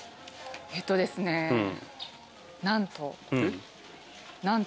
えっとですね何と。